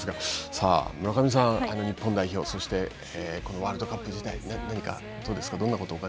さあ、村上さん、日本代表、そしてワールドカップ自体、何かどうですか。